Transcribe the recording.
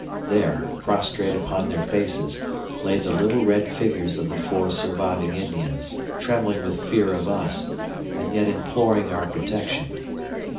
There, prostrate upon their faces, lay the little red figures of the four surviving Indians, trembling with fear of us and yet imploring our protection.